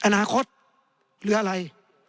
อนาคตหรืออะไร